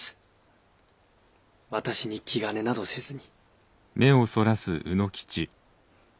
私に気兼ねなどせずに。